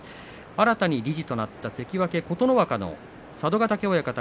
新たに理事となったのは関脇琴ノ若の佐渡ヶ嶽親方